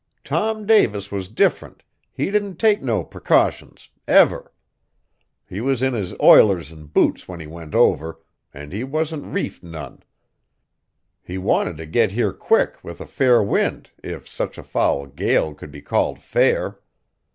Tom Davis was different, he didn't take no precautions, ever. He was in his ilers an' boots when he went over, an' he wasn't reefed none. He wanted t' get here quick with a fair wind if such a foul gale could be called fair.